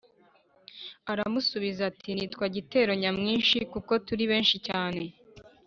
aramusubiza ati, “nitwa giteronyamwinshi, kuko turi benshi cyane